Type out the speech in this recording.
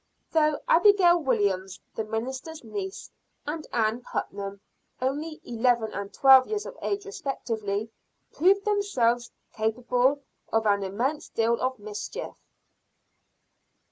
Though Abigail Williams, the minister's niece, and Ann Putnam, only eleven and twelve years of age respectively, proved themselves capable of an immense deal of mischief.